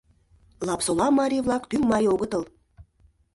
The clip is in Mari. Лапсола марий-влак тӱҥ марий огытыл.